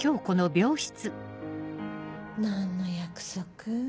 何の約束？